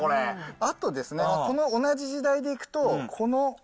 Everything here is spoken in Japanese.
あとですね、この同じ時代でいくと、この。